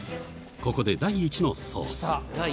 ここで第１のソース来た。